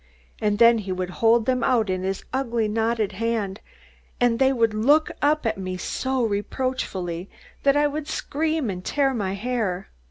And then he would hold them out in his ugly knotted hand, and they would look up at me so reproachfully, that I would scream and tear my hair.